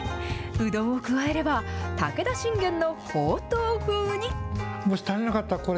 うどんを加えれば、武田信玄のほうとう風に。